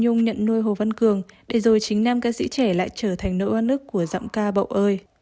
nhung nhận nuôi hồ văn cường để rồi chính nam ca sĩ trẻ lại trở thành nữ oan ức của giọng ca bậu ơi